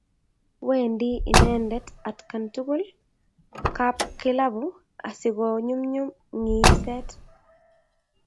Wendi inendet atkaan tugul kapkilabu asi konyumnyum ng'iiseet.